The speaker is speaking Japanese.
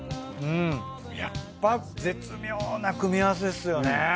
やっぱ絶妙な組み合わせっすよね。